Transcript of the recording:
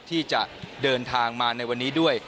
ที่จะเดินทางมาในวันนี้ด้วย